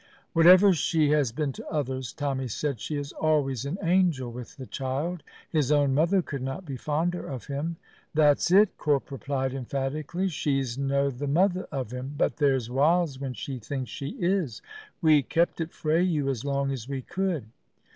"Whatever she has been to others," Tommy said, "she is always an angel with the child. His own mother could not be fonder of him." "That's it," Corp replied emphatically. "She's no the mother o' him, but there's whiles when she thinks she is. We kept it frae you as long as we could."